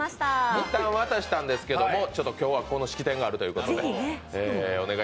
いったん渡したんですけれども、今日はこの式典があるということで。